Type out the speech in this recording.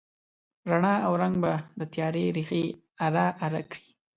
رڼا او رنګ به د تیارې ریښې اره، اره کړي